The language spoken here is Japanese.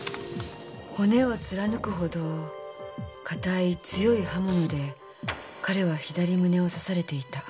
骨を貫くほど硬い強い刃物で彼は左胸を刺されていた。